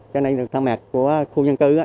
cho nên được tham mạc của khu nhân cư